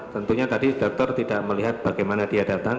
tentunya tadi dokter tidak melihat bagaimana dia datang